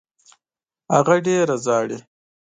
هغه ډېره ژاړي.